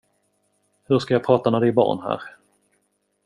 Hur ska jag prata när det är barn här?